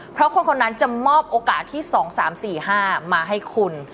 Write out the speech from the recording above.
เพราะคนคนนั้นจะมอบโอกาสที่๒๓๔๕มาให้คุณ